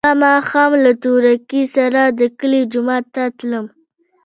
سبا ماښام له تورکي سره د کلي جومات ته تلم.